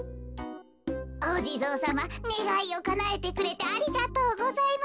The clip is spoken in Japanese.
おじぞうさまねがいをかなえてくれてありがとうございます。